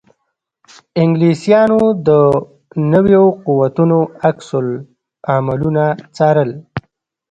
انګلیسیانو د نویو قوتونو عکس العملونه څارل.